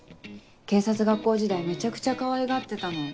警察学校時代めちゃくちゃかわいがってたの。